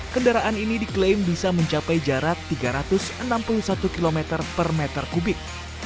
kendaraan ini diklaim bisa mencapai jarak tiga ratus enam puluh satu km per meter kubik